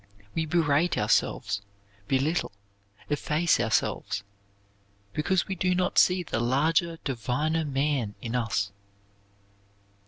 We berate ourselves, belittle, efface ourselves, because we do not see the larger, diviner man in us.